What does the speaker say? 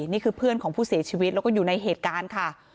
นี่คือเพื่อนของผู้เสียชีวิตแล้วก็อยู่ในเหตุการณ์ค่ะ